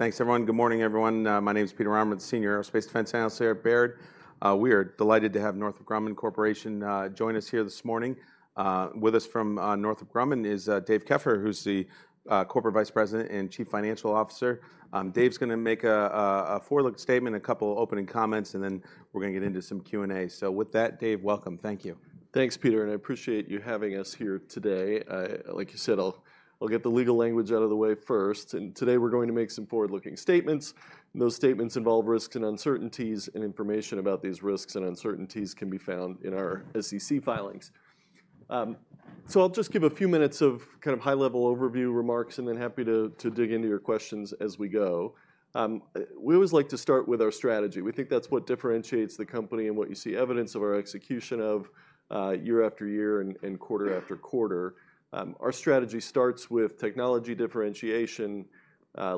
Thanks, everyone. Good morning, everyone. My name is Peter Arment, Senior Aerospace & Defense Analyst here at Baird. We are delighted to have Northrop Grumman Corporation join us here this morning. With us from Northrop Grumman is Dave Keffer, who's the Corporate Vice President and Chief Financial Officer. Dave's gonna make a forward-looking statement, a couple opening comments, and then we're gonna get into some Q&A. So with that, Dave, welcome. Thank you. Thanks, Peter, and I appreciate you having us here today. Like you said, I'll get the legal language out of the way first. Today we're going to make some forward-looking statements. Those statements involve risks and uncertainties, and information about these risks and uncertainties can be found in our SEC filings. So I'll just give a few minutes of kind of high-level overview remarks, and then happy to dig into your questions as we go. We always like to start with our strategy. We think that's what differentiates the company and what you see evidence of our execution of, year after year and quarter after quarter. Our strategy starts with technology differentiation,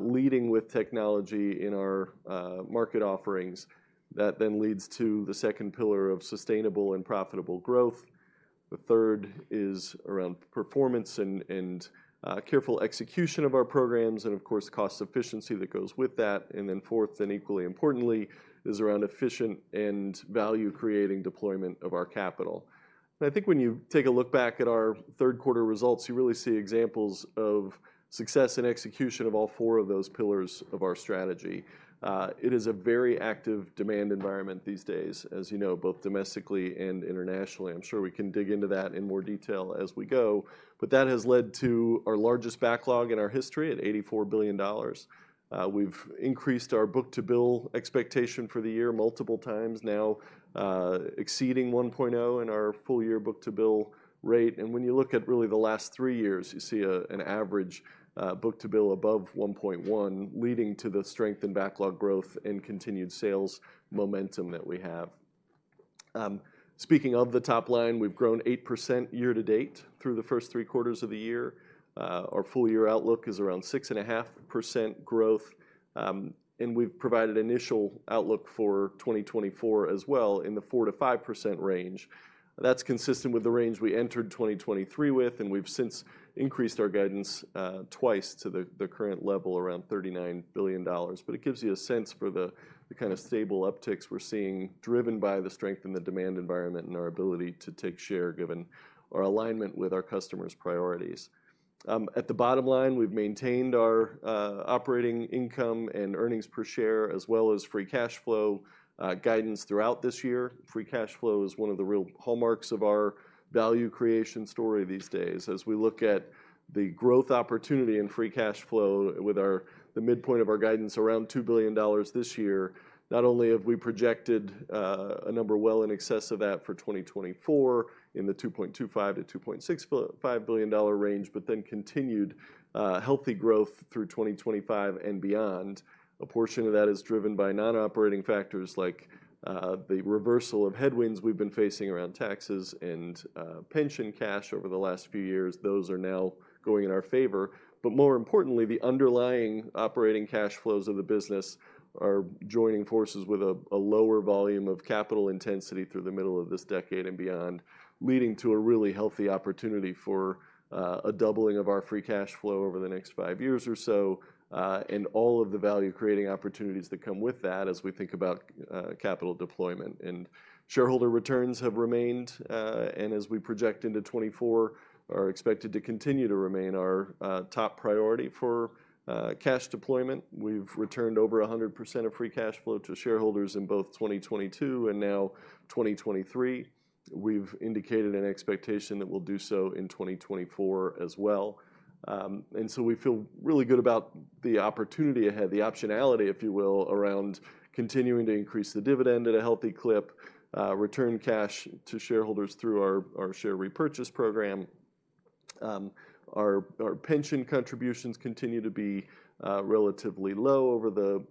leading with technology in our market offerings. That then leads to the second pillar of sustainable and profitable growth. The third is around performance and careful execution of our programs and, of course, cost efficiency that goes with that. And then fourth, and equally importantly, is around efficient and value-creating deployment of our capital. And I think when you take a look back at our third quarter results, you really see examples of success and execution of all four of those pillars of our strategy. It is a very active demand environment these days, as you know, both domestically and internationally. I'm sure we can dig into that in more detail as we go, but that has led to our largest backlog in our history at $84 billion. We've increased our book-to-bill expectation for the year multiple times now, exceeding 1.0 in our full-year book-to-bill rate. When you look at really the last three years, you see an average book-to-bill above 1.1, leading to the strength in backlog growth and continued sales momentum that we have. Speaking of the top line, we've grown 8% year to date through the first three quarters of the year. Our full-year outlook is around 6.5% growth, and we've provided initial outlook for 2024 as well in the 4%-5% range. That's consistent with the range we entered 2023 with, and we've since increased our guidance twice to the current level, around $39 billion. But it gives you a sense for the kind of stable upticks we're seeing, driven by the strength in the demand environment and our ability to take share, given our alignment with our customers' priorities. At the bottom line, we've maintained our operating income and earnings per share, as well as free cash flow guidance throughout this year. Free cash flow is one of the real hallmarks of our value creation story these days. As we look at the growth opportunity in free cash flow with the midpoint of our guidance around $2 billion this year, not only have we projected a number well in excess of that for 2024 in the $2.25 billion-$2.65 billion range, but then continued healthy growth through 2025 and beyond. A portion of that is driven by non-operating factors like the reversal of headwinds we've been facing around taxes and pension cash over the last few years. Those are now going in our favor. But more importantly, the underlying operating cash flows of the business are joining forces with a lower volume of capital intensity through the middle of this decade and beyond, leading to a really healthy opportunity for a doubling of our free cash flow over the next five years or so, and all of the value-creating opportunities that come with that as we think about capital deployment. Shareholder returns have remained, and as we project into 2024, are expected to continue to remain our top priority for cash deployment. We've returned over 100% of free cash flow to shareholders in both 2022 and now 2023. We've indicated an expectation that we'll do so in 2024 as well. And so we feel really good about the opportunity ahead, the optionality, if you will, around continuing to increase the dividend at a healthy clip, return cash to shareholders through our share repurchase program. Our pension contributions continue to be relatively low over the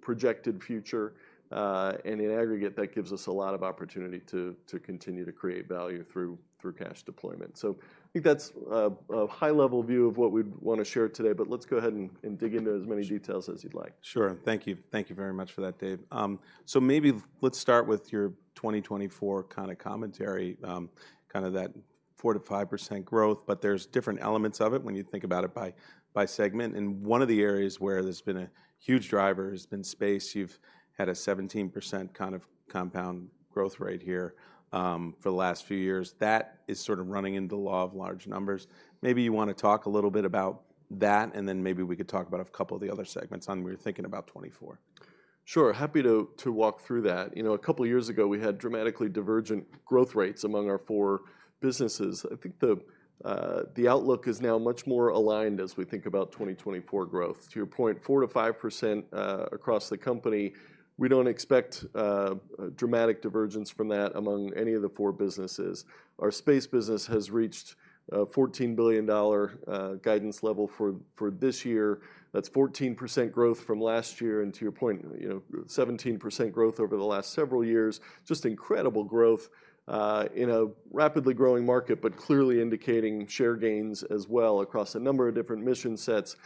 projected future. And in aggregate, that gives us a lot of opportunity to continue to create value through cash deployment. So I think that's a high-level view of what we'd wanna share today, but let's go ahead and dig into as many details as you'd like. Sure. Thank you. Thank you very much for that, Dave. So maybe let's start with your 2024 kind of commentary, kind of that 4%-5% growth, but there's different elements of it when you think about it by, by segment. And one of the areas where there's been a huge driver has been space. You've had a 17% kind of compound growth rate here, for the last few years. That is sort of running into the law of large numbers. Maybe you wanna talk a little bit about that, and then maybe we could talk about a couple of the other segments on we're thinking about 2024. Sure. Happy to walk through that. You know, a couple of years ago, we had dramatically divergent growth rates among our four businesses. I think the outlook is now much more aligned as we think about 2024 growth. To your point, 4%-5% across the company, we don't expect a dramatic divergence from that among any of the four businesses. Our Space business has reached a $14 billion guidance level for this year. That's 14% growth from last year, and to your point, you know, 17% growth over the last several years. Just incredible growth in a rapidly growing market, but clearly indicating share gains as well across a number of different mission sets,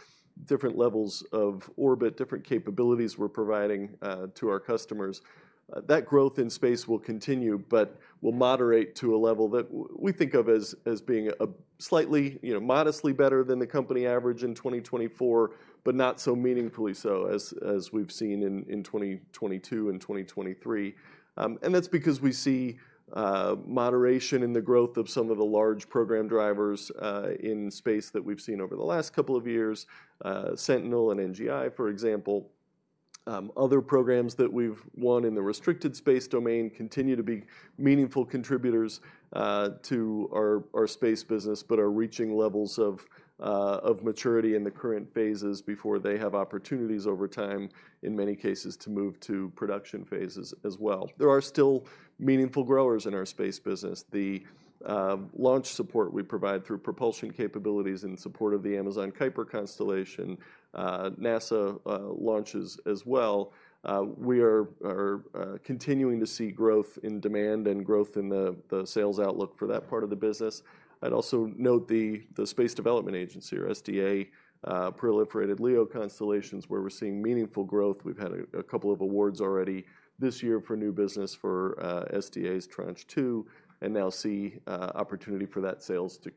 different levels of orbit, different capabilities we're providing to our customers. That growth in space will continue but will moderate to a level that we think of as being a slightly, you know, modestly better than the company average in 2024, but not so meaningfully so as we've seen in 2022 and 2023. And that's because we see moderation in the growth of some of the large program drivers in space that we've seen over the last couple of years, Sentinel and NGI, for example. Other programs that we've won in the restricted space domain continue to be meaningful contributors to our Space business, but are reaching levels of maturity in the current phases before they have opportunities over time, in many cases, to move to production phases as well. There are still meaningful growers in our Space business. The launch support we provide through propulsion capabilities in support of the Amazon Kuiper constellation, NASA launches as well. We are continuing to see growth in demand and growth in the sales outlook for that part of the business. I'd also note the Space Development Agency, or SDA, proliferated LEO constellations, where we're seeing meaningful growth. We've had a couple of awards already this year for new business for SDA's Tranche 2, and now see opportunity for that sales to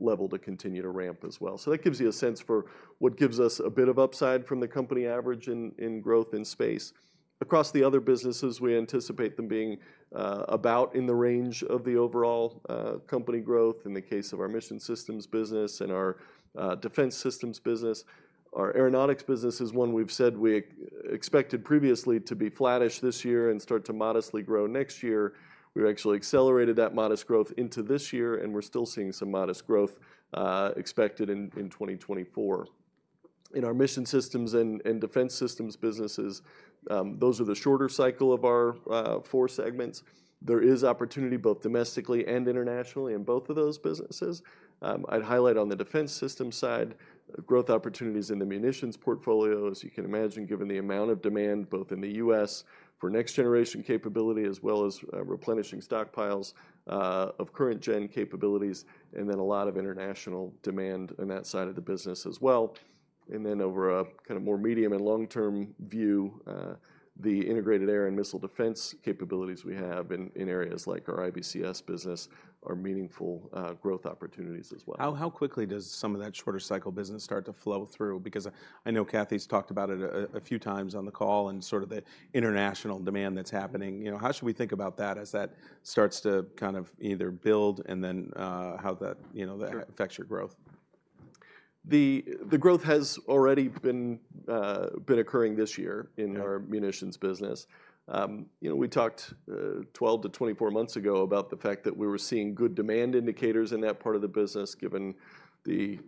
level to continue to ramp as well. So that gives you a sense for what gives us a bit of upside from the company average in growth in space. Across the other businesses, we anticipate them being about in the range of the overall company growth, in the case of our Mission Systems business and our Defense Systems business. Our Aeronautics business is one we've said we expected previously to be flattish this year and start to modestly grow next year. We've actually accelerated that modest growth into this year, and we're still seeing some modest growth expected in 2024. In our Mission Systems and Defense Systems businesses, those are the shorter cycle of our 4 segments. There is opportunity, both domestically and internationally, in both of those businesses. I'd highlight on the Defense Systems side, growth opportunities in the munitions portfolio, as you can imagine, given the amount of demand, both in the U.S. for next-generation capability, as well as, replenishing stockpiles, of current-gen capabilities, and then a lot of international demand on that side of the business as well. And then over a kind of more medium and long-term view, the integrated air and missile defense capabilities we have in, in areas like our IBCS business are meaningful, growth opportunities as well. How quickly does some of that shorter cycle business start to flow through? Because I know Kathy's talked about it a few times on the call, and sort of the international demand that's happening. You know, how should we think about that as that starts to kind of either build and then, how that, you know that affects your growth? The growth has already been occurring this year- Yeah... in our munitions business. You know, we talked 12-24 months ago about the fact that we were seeing good demand indicators in that part of the business, given the,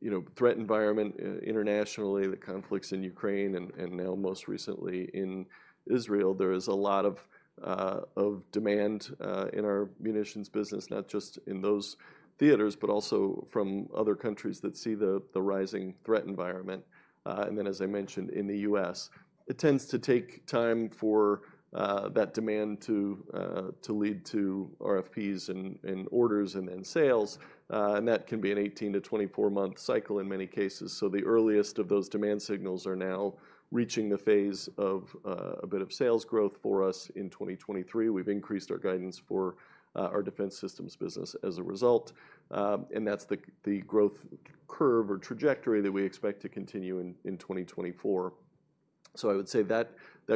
you know, threat environment internationally, the conflicts in Ukraine, and now most recently in Israel. There is a lot of demand in our munitions business, not just in those theaters, but also from other countries that see the rising threat environment, and then, as I mentioned, in the U.S. It tends to take time for that demand to lead to RFPs and orders and then sales, and that can be an 18-24-month cycle in many cases. So the earliest of those demand signals are now reaching the phase of a bit of sales growth for us in 2023. We've increased our guidance for our Defense Systems business as a result, and that's the growth curve or trajectory that we expect to continue in 2024. So I would say that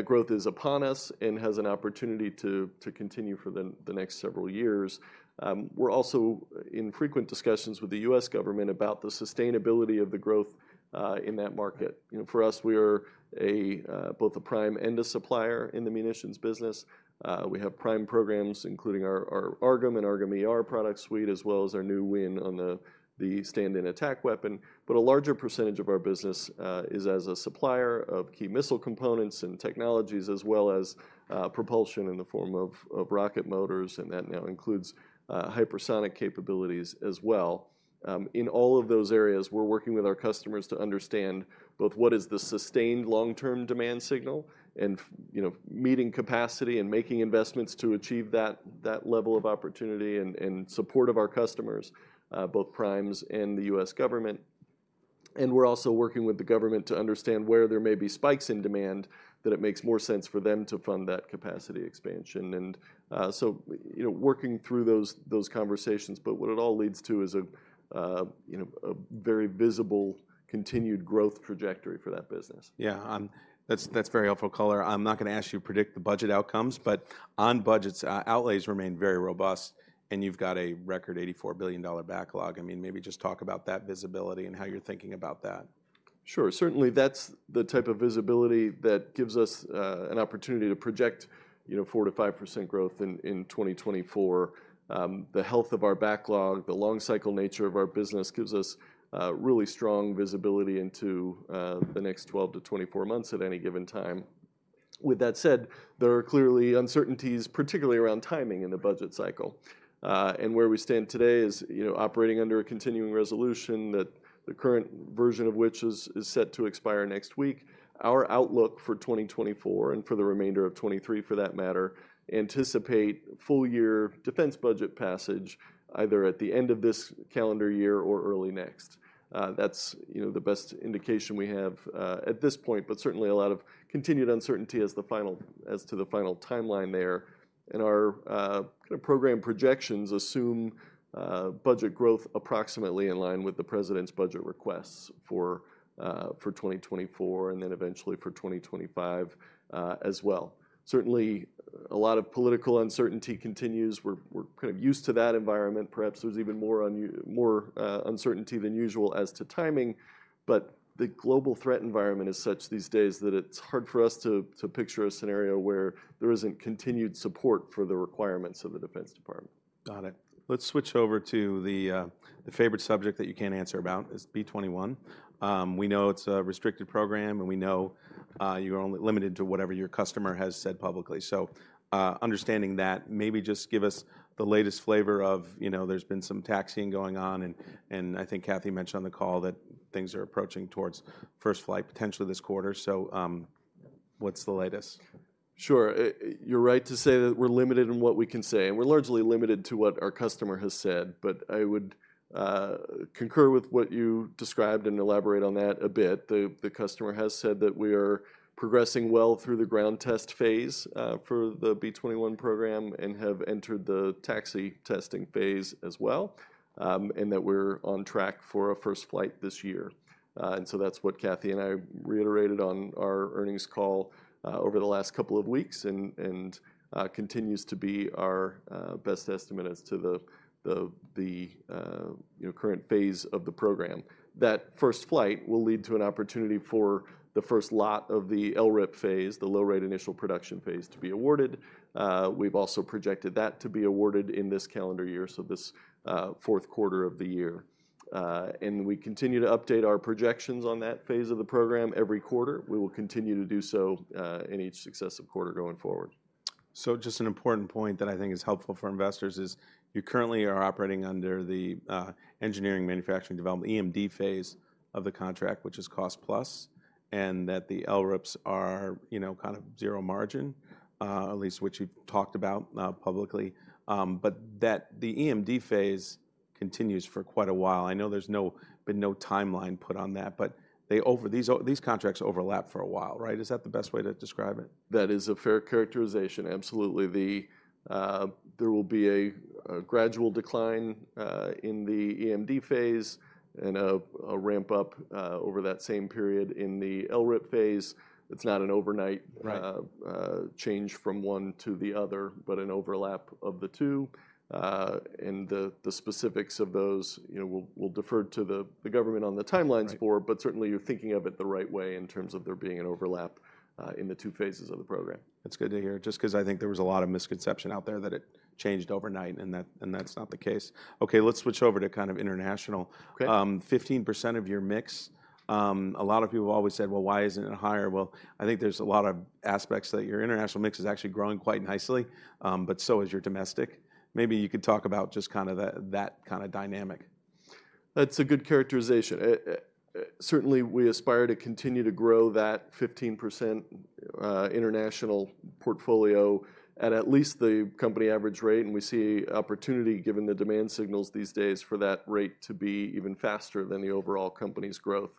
growth is upon us and has an opportunity to continue for the next several years. We're also in frequent discussions with the U.S. government about the sustainability of the growth in that market. You know, for us, we are both a prime and a supplier in the munitions business. We have prime programs, including our AARGM and AARGM-ER product suite, as well as our new win on the Stand-in Attack Weapon. But a larger percentage of our business is as a supplier of key missile components and technologies, as well as propulsion in the form of rocket motors, and that now includes hypersonic capabilities as well. In all of those areas, we're working with our customers to understand both what is the sustained long-term demand signal and you know, meeting capacity and making investments to achieve that level of opportunity and support of our customers, both primes and the U.S. government. And we're also working with the government to understand where there may be spikes in demand, that it makes more sense for them to fund that capacity expansion. And so you know, working through those conversations, but what it all leads to is a you know, a very visible, continued growth trajectory for that business. Yeah, that's, that's very helpful color. I'm not gonna ask you to predict the budget outcomes, but on budgets, outlays remain very robust, and you've got a record $84 billion backlog. I mean, maybe just talk about that visibility and how you're thinking about that. Sure. Certainly, that's the type of visibility that gives us an opportunity to project, you know, 4%-5% growth in 2024. The health of our backlog, the long cycle nature of our business, gives us really strong visibility into the next 12-24 months at any given time. With that said, there are clearly uncertainties, particularly around timing in the budget cycle. And where we stand today is, you know, operating under a continuing resolution that the current version of which is set to expire next week. Our outlook for 2024, and for the remainder of 2023, for that matter, anticipate full-year defense budget passage either at the end of this calendar year or early next. That's, you know, the best indication we have at this point, but certainly a lot of continued uncertainty as to the final timeline there. And our kind of program projections assume budget growth approximately in line with the President's budget requests for 2024, and then eventually for 2025 as well. Certainly, a lot of political uncertainty continues. We're kind of used to that environment. Perhaps there's even more uncertainty than usual as to timing, but the global threat environment is such these days that it's hard for us to picture a scenario where there isn't continued support for the requirements of the Defense Department. Got it. Let's switch over to the favorite subject that you can't answer about, is B-21. We know it's a restricted program, and we know you're only limited to whatever your customer has said publicly. So, understanding that, maybe just give us the latest flavor of, you know, there's been some taxiing going on, and I think Kathy mentioned on the call that things are approaching towards first flight, potentially this quarter. So, what's the latest? Sure. You're right to say that we're limited in what we can say, and we're largely limited to what our customer has said. But I would concur with what you described and elaborate on that a bit. The customer has said that we are progressing well through the ground test phase for the B-21 program and have entered the taxi testing phase as well, and that we're on track for a first flight this year. And so that's what Kathy and I reiterated on our earnings call over the last couple of weeks and continues to be our best estimate as to the you know, current phase of the program. That first flight will lead to an opportunity for the first lot of the LRIP phase, the Low-Rate Initial Production phase, to be awarded. We've also projected that to be awarded in this calendar year, so this fourth quarter of the year. We continue to update our projections on that phase of the program every quarter. We will continue to do so in each successive quarter going forward. So just an important point that I think is helpful for investors is you currently are operating under the Engineering and Manufacturing Development, EMD phase of the contract, which is cost-plus, and that the LRIPs are, you know, kind of zero margin, at least what you've talked about, publicly. But that the EMD phase continues for quite a while. I know there's been no timeline put on that, but these, these contracts overlap for a while, right? Is that the best way to describe it? That is a fair characterization, absolutely. There will be a gradual decline in the EMD phase and a ramp up over that same period in the LRIP phase. It's not an overnight- Right... change from one to the other, but an overlap of the two. And the specifics of those, you know, we'll defer to the government on the timelines for. Right. But certainly, you're thinking of it the right way in terms of there being an overlap in the two phases of the program. That's good to hear, just 'cause I think there was a lot of misconception out there that it changed overnight, and that, and that's not the case. Okay, let's switch over to kind of international. Okay. 15% of your mix, a lot of people have always said, "Well, why isn't it higher?" Well, I think there's a lot of aspects that your international mix is actually growing quite nicely, but so is your domestic. Maybe you could talk about just kind of that kind of dynamic. That's a good characterization. Certainly, we aspire to continue to grow that 15% international portfolio at least the company average rate, and we see opportunity, given the demand signals these days, for that rate to be even faster than the overall company's growth.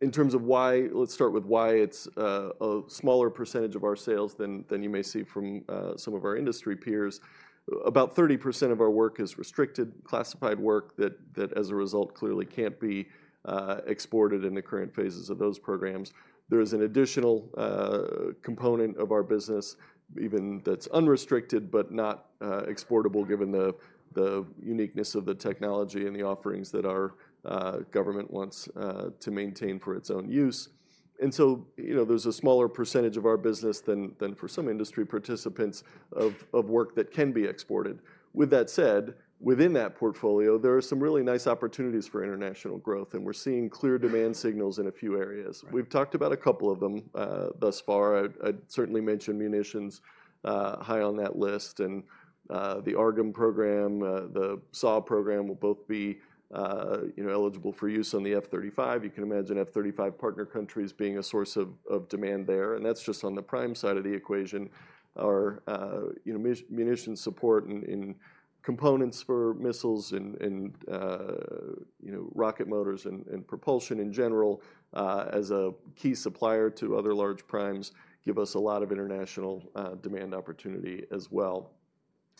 In terms of why, let's start with why it's a smaller percentage of our sales than you may see from some of our industry peers. About 30% of our work is restricted, classified work that, as a result, clearly can't be exported in the current phases of those programs. There is an additional component of our business even that's unrestricted, but not exportable, given the uniqueness of the technology and the offerings that our government wants to maintain for its own use. And so, you know, there's a smaller percentage of our business than for some industry participants of work that can be exported. With that said, within that portfolio, there are some really nice opportunities for international growth, and we're seeing clear demand signals in a few areas. Right. We've talked about a couple of them, thus far. I'd certainly mention munitions high on that list and the AARGM program, the SiAW program will both be, you know, eligible for use on the F-35. You can imagine F-35 partner countries being a source of demand there, and that's just on the prime side of the equation. Our, you know, munition support and components for missiles and, you know, rocket motors and propulsion in general, as a key supplier to other large primes, give us a lot of international demand opportunity as well.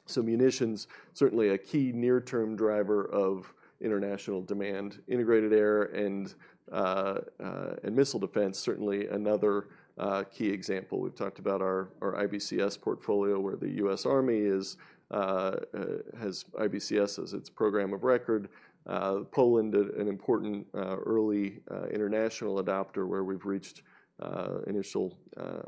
So munitions, certainly a key near-term driver of international demand. Integrated air and missile defense, certainly another key example. We've talked about our IBCS portfolio, where the U.S. Army has IBCS as its program of record. Poland, an important early international adopter where we've reached initial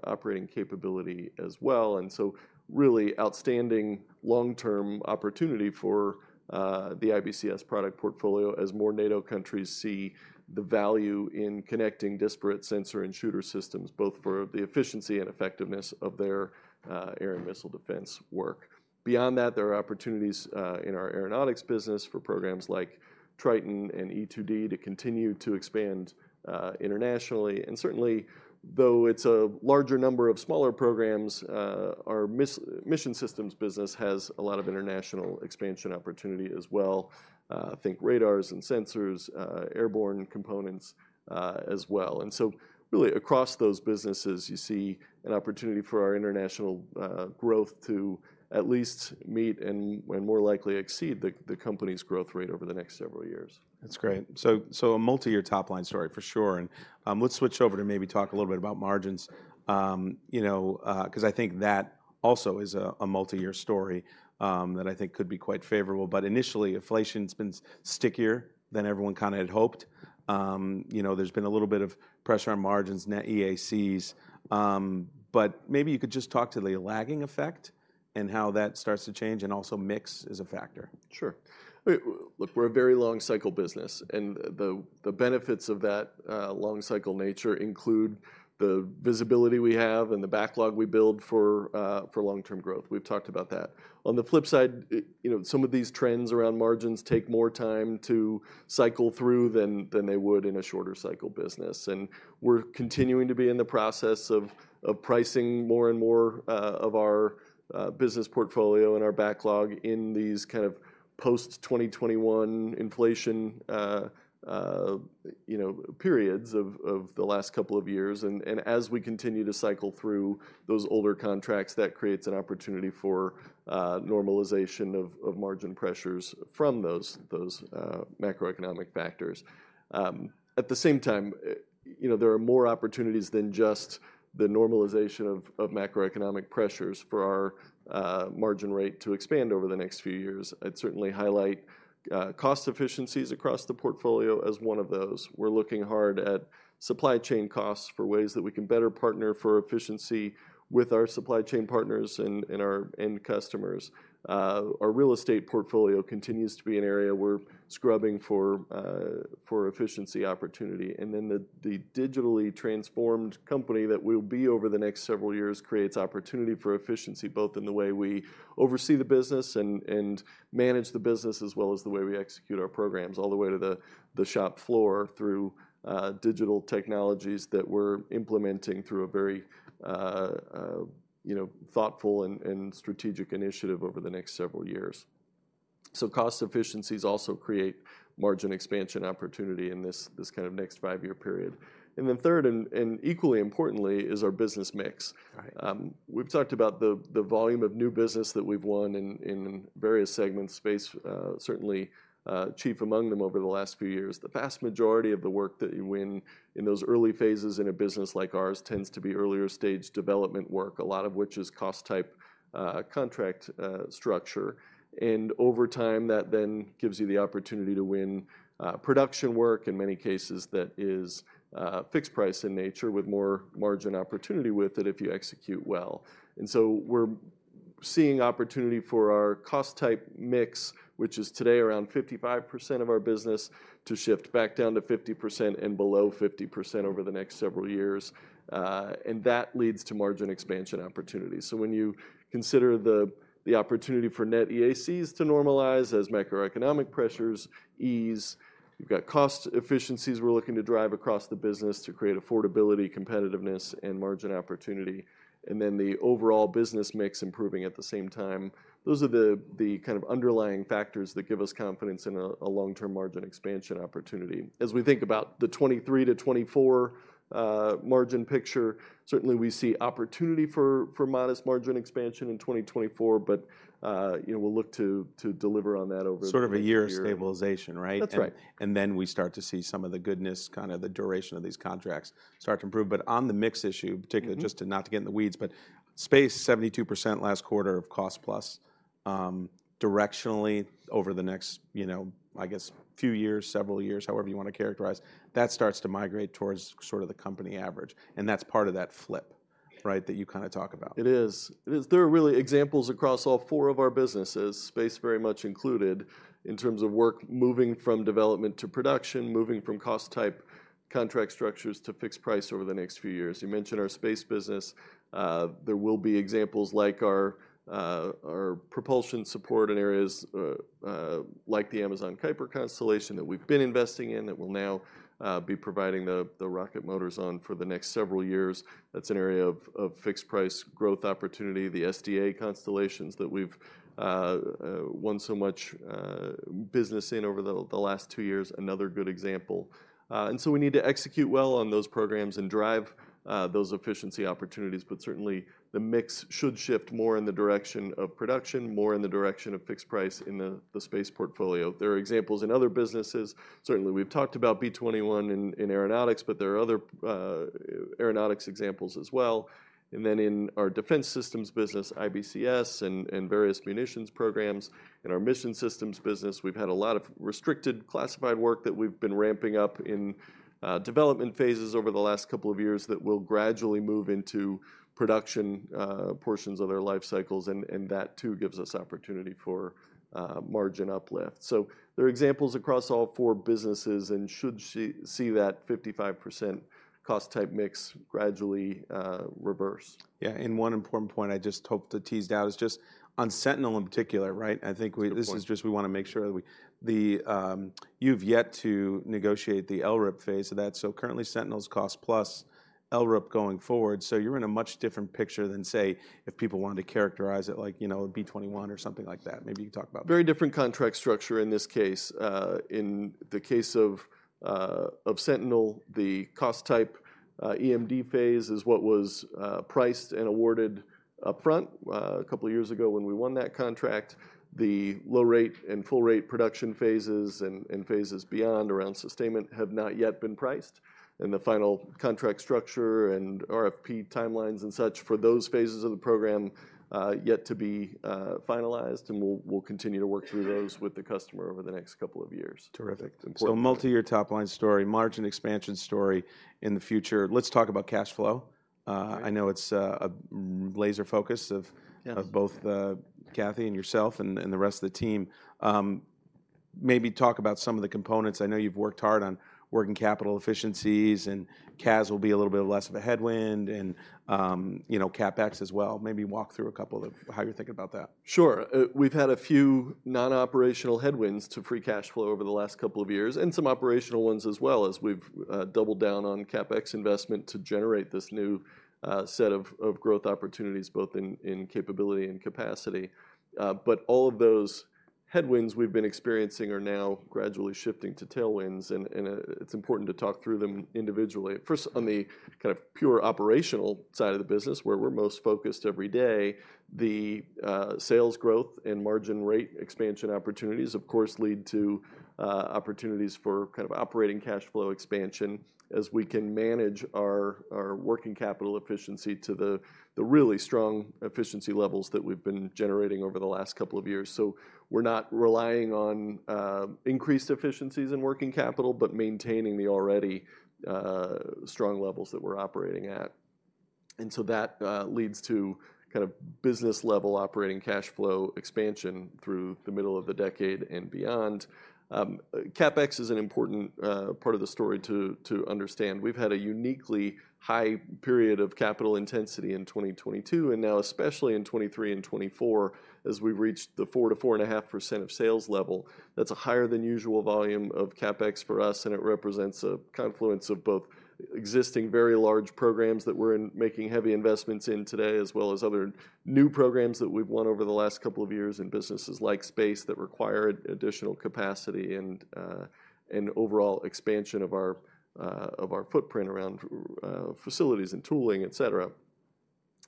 operating capability as well. And so really outstanding long-term opportunity for the IBCS product portfolio as more NATO countries see the value in connecting disparate sensor and shooter systems, both for the efficiency and effectiveness of their air and missile defense work. Beyond that, there are opportunities in our Aeronautics business for programs like Triton and E-2D to continue to expand internationally. And certainly, though it's a larger number of smaller programs, our Mission Systems business has a lot of international expansion opportunity as well. Think radars and sensors, airborne components, as well. And so really, across those businesses, you see an opportunity for our international growth to at least meet and more likely exceed the company's growth rate over the next several years. That's great. So, a multi-year top-line story for sure. And let's switch over to maybe talk a little bit about margins. You know, 'cause I think that also is a multi-year story that I think could be quite favorable. But initially, inflation's been stickier than everyone kind of had hoped. You know, there's been a little bit of pressure on margins, net EACs. But maybe you could just talk to the lagging effect and how that starts to change, and also mix as a factor. Sure. Look, we're a very long cycle business, and the benefits of that long cycle nature include the visibility we have and the backlog we build for long-term growth. We've talked about that. On the flip side, you know, some of these trends around margins take more time to cycle through than they would in a shorter cycle business. And we're continuing to be in the process of pricing more and more of our business portfolio and our backlog in these kind of post-2021 inflation, you know, periods of the last couple of years. And as we continue to cycle through those older contracts, that creates an opportunity for normalization of margin pressures from those macroeconomic factors. At the same time, you know, there are more opportunities than just the normalization of macroeconomic pressures for our margin rate to expand over the next few years. I'd certainly highlight cost efficiencies across the portfolio as one of those. We're looking hard at supply chain costs for ways that we can better partner for efficiency with our supply chain partners and our end customers. Our real estate portfolio continues to be an area we're scrubbing for efficiency opportunity. And then the digitally transformed company that we'll be over the next several years creates opportunity for efficiency, both in the way we oversee the business and manage the business, as well as the way we execute our programs, all the way to the shop floor through digital technologies that we're implementing through a very you know thoughtful and strategic initiative over the next several years. So cost efficiencies also create margin expansion opportunity in this kind of next five-year period. And then third, and equally importantly, is our business mix. Right. We've talked about the volume of new business that we've won in various segments. Space, certainly chief among them over the last few years. The vast majority of the work that you win in those early phases in a business like ours tends to be earlier stage development work, a lot of which is cost-type contract structure. And over time, that then gives you the opportunity to win production work. In many cases, that is fixed price in nature, with more margin opportunity with it if you execute well. And so we're seeing opportunity for our cost-type mix, which is today around 55% of our business, to shift back down to 50% and below 50% over the next several years. And that leads to margin expansion opportunities. So when you consider the opportunity for net EACs to normalize as macroeconomic pressures ease, you've got cost efficiencies we're looking to drive across the business to create affordability, competitiveness, and margin opportunity, and then the overall business mix improving at the same time. Those are the kind of underlying factors that give us confidence in a long-term margin expansion opportunity. As we think about the 2023-2024 margin picture, certainly we see opportunity for modest margin expansion in 2024, but you know, we'll look to deliver on that over- Sort of a year stabilization, right? That's right. Then we start to see some of the goodness, kind of the duration of these contracts start to improve. But on the mix issue, particularly- Mm-hmm... just to not to get in the weeds, but Space, 72% last quarter of cost-plus. Directionally, over the next, you know, I guess, few years, several years, however you wanna characterize, that starts to migrate towards sort of the company average, and that's part of that flip?... right, that you kind of talk about. It is. It is. There are really examples across all four of our businesses, Space very much included, in terms of work moving from development to production, moving from cost type contract structures to fixed price over the next few years. You mentioned our Space business. There will be examples like our, our propulsion support in areas, like the Amazon Kuiper constellation that we've been investing in, that we'll now, be providing the, the rocket motors on for the next several years. That's an area of, of fixed price growth opportunity. The SDA constellations that we've, won so much, business in over the, the last two years, another good example. And so we need to execute well on those programs and drive, those efficiency opportunities. But certainly, the mix should shift more in the direction of production, more in the direction of fixed price in the Space portfolio. There are examples in other businesses. Certainly, we've talked about B-21 in aeronautics, but there are other aeronautics examples as well. And then in our defense systems business, IBCS and various munitions programs. In our Mission Systems business, we've had a lot of restricted classified work that we've been ramping up in development phases over the last couple of years that will gradually move into production portions of their life cycles, and that too gives us opportunity for margin uplift. So there are examples across all four businesses and should see that 55% cost type mix gradually reverse. Yeah, and one important point I just hope to tease out is just on Sentinel in particular, right? Good point. You've yet to negotiate the LRIP phase of that, so currently, Sentinel's cost-plus LRIP going forward, so you're in a much different picture than, say, if people wanted to characterize it like, you know, a B-21 or something like that. Maybe you can talk about that. Very different contract structure in this case. In the case of Sentinel, the cost type EMD phase is what was priced and awarded upfront. A couple of years ago, when we won that contract, the low-rate and full-rate production phases and phases beyond around sustainment have not yet been priced, and the final contract structure and RFP timelines and such for those phases of the program yet to be finalized, and we'll continue to work through those with the customer over the next couple of years. Terrific. Thanks. Multi-year top-line story, margin expansion story in the future. Let's talk about cash flow. Right. I know it's a laser focus of- Yes... of both, Kathy and yourself and the rest of the team. Maybe talk about some of the components. I know you've worked hard on working capital efficiencies, and CAS will be a little bit less of a headwind and, you know, CapEx as well. Maybe walk through a couple of how you're thinking about that. Sure. We've had a few non-operational headwinds to free cash flow over the last couple of years, and some operational ones as well, as we've doubled down on CapEx investment to generate this new set of growth opportunities, both in capability and capacity. But all of those headwinds we've been experiencing are now gradually shifting to tailwinds, and it's important to talk through them individually. First, on the kind of pure operational side of the business, where we're most focused every day, the sales growth and margin rate expansion opportunities, of course, lead to opportunities for kind of operating cash flow expansion as we can manage our working capital efficiency to the really strong efficiency levels that we've been generating over the last couple of years. So we're not relying on increased efficiencies in working capital, but maintaining the already strong levels that we're operating at. And so that leads to kind of business-level operating cash flow expansion through the middle of the decade and beyond. CapEx is an important part of the story to understand. We've had a uniquely high period of capital intensity in 2022, and now especially in 2023 and 2024, as we've reached the 4%-4.5% of sales level. That's a higher than usual volume of CapEx for us, and it represents a confluence of both existing, very large programs that we're in, making heavy investments in today, as well as other new programs that we've won over the last couple of years in businesses like Space, that require additional capacity and and overall expansion of our of our footprint around facilities and tooling, et cetera.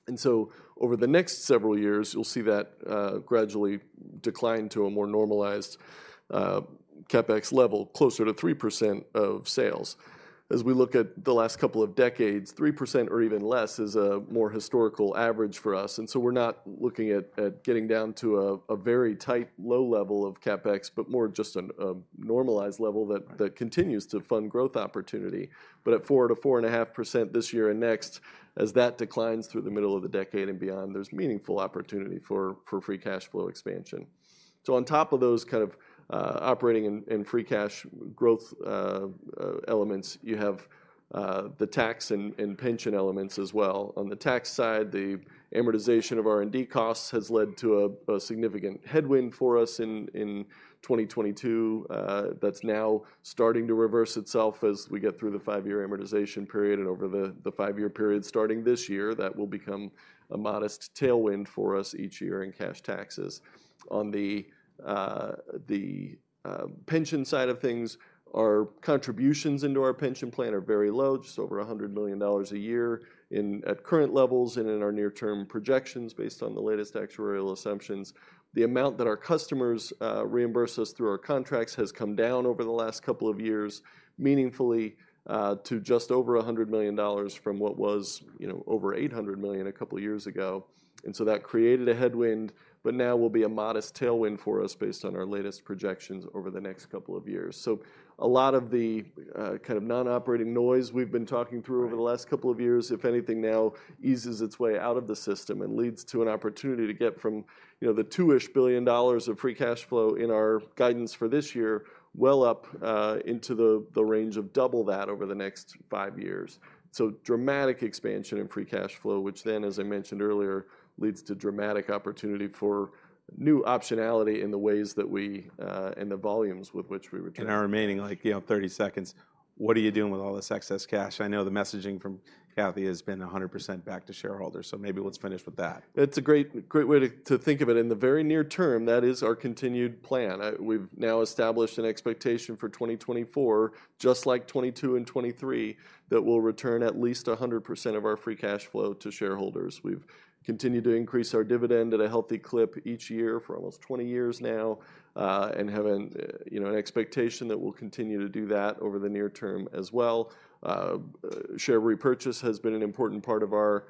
And so over the next several years, you'll see that gradually decline to a more normalized CapEx level, closer to 3% of sales. As we look at the last couple of decades, 3% or even less is a more historical average for us, and so we're not looking at getting down to a very tight, low level of CapEx, but more just a normalized level that continues to fund growth opportunity. But at 4%-4.5% this year and next, as that declines through the middle of the decade and beyond, there's meaningful opportunity for free cash flow expansion. So on top of those kind of operating and free cash growth elements, you have the tax and pension elements as well. On the tax side, the amortization of R&D costs has led to a significant headwind for us in 2022. That's now starting to reverse itself as we get through the five-year amortization period and over the five-year period, starting this year, that will become a modest tailwind for us each year in cash taxes. On the pension side of things, our contributions into our pension plan are very low, just over $100 million a year in at current levels and in our near-term projections, based on the latest actuarial assumptions. The amount that our customers reimburse us through our contracts has come down over the last couple of years, meaningfully, to just over $100 million from what was, you know, over $800 million a couple of years ago. And so that created a headwind, but now will be a modest tailwind for us based on our latest projections over the next couple of years. So a lot of the kind of non-operating noise we've been talking through over the last couple of years, if anything, now eases its way out of the system and leads to an opportunity to get from, you know, the $2-ish billion of free cash flow in our guidance for this year, well up, into the range of double that over the next five years. So dramatic expansion in free cash flow, which then, as I mentioned earlier, leads to dramatic opportunity for new optionality in the ways that we and the volumes with which we return. In our remaining, like, you know, 30 seconds, what are you doing with all this excess cash? I know the messaging from Kathy has been 100% back to shareholders, so maybe let's finish with that. It's a great, great way to think of it. In the very near term, that is our continued plan. We've now established an expectation for 2024, just like 2022 and 2023, that we'll return at least 100% of our free cash flow to shareholders. We've continued to increase our dividend at a healthy clip each year for almost 20 years now, and have an, you know, an expectation that we'll continue to do that over the near term as well. Share repurchase has been an important part of our,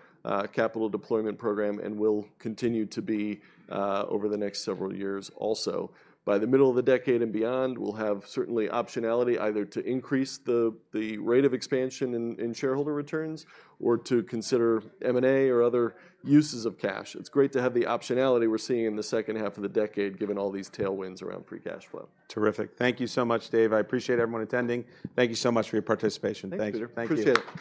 capital deployment program and will continue to be, over the next several years also. By the middle of the decade and beyond, we'll have certainly optionality either to increase the, the rate of expansion in, in shareholder returns or to consider M&A or other uses of cash. It's great to have the optionality we're seeing in the second half of the decade, given all these tailwinds around free cash flow. Terrific. Thank you so much, Dave. I appreciate everyone attending. Thank you so much for your participation. Thanks, Peter. Thank you. Appreciate it.